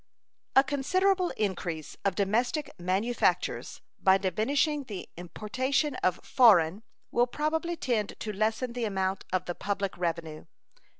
A considerable increase of domestic manufactures, by diminishing the importation of foreign, will probably tend to lessen the amount of the public revenue.